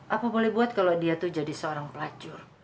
apa boleh buat kalau dia tuh jadi seorang pelacur